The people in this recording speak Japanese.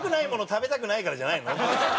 食べたくないからじゃないの？